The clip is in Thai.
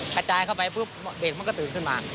กระจายเข้าไปปุ๊บเด็กมันก็ตื่นขึ้นมา